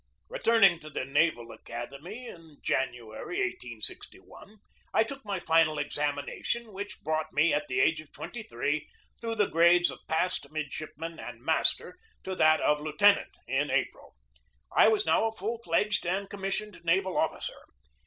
Returning to the Naval Academy in January, 1 86 1, I took my final examination, which brought me, at the age of twenty three, through the grades of passed midshipman and master to that of lieu tenant, in April. I was now a full fledged and com missioned naval officer.